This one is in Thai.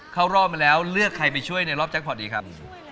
เข้ารอบมาแล้วเลือกใครไปช่วยในรอบแจ็คพอร์ตดีครับ